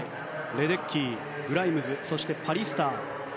レデッキー、グライムズそしてパリスター。